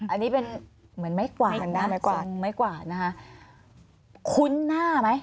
อันนี้เป็นเหมือนไม้กวาดไม้กวางไม้กวาดนะคะคุ้นหน้าไหม